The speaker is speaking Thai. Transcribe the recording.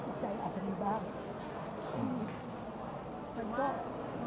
พี่คิดว่าเข้างานทุกครั้งอยู่หรือเปล่า